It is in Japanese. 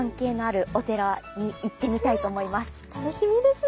楽しみです。